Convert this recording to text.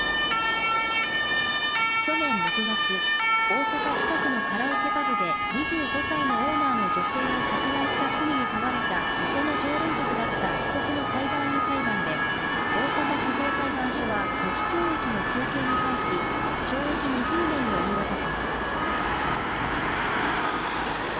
去年６月、大阪・北区のカラオケパブで２５歳のオーナーの女性を殺害した罪に問われた店の常連客だった被告の無期懲役の求刑に対し、懲役２０年を言い渡しました。